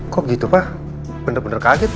kok gitu pak bener bener kaget